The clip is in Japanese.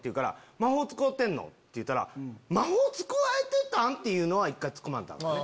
魔法使うてんの！って言ったら魔法使えてたん⁉って１回ツッコまんとアカンね。